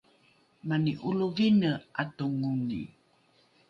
mani ’olovine ’atongoni